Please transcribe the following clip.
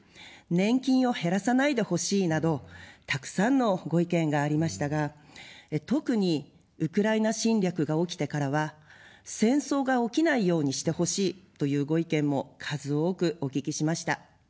年金を減らさないでほしいなど、たくさんのご意見がありましたが、特にウクライナ侵略が起きてからは、戦争が起きないようにしてほしい、というご意見も数多くお聞きしました。